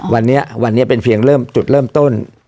วันนี้เป็นเพียงจุดเริ่มต้น